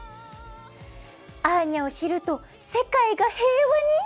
アーニャを知ると世界が平和に。